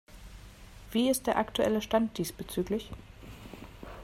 Wie ist der aktuelle Stand diesbezüglich?